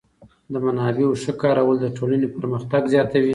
د منابعو ښه کارول د ټولنې پرمختګ زیاتوي.